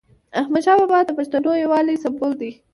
احمدشاه بابا د پښتنو یووالي سمبول دی.